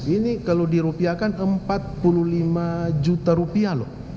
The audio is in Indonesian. ini kalau dirupiakan empat puluh lima juta rupiah loh